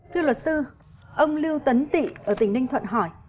thưa luật sư ông lưu tấn tị ở tỉnh ninh thuận hỏi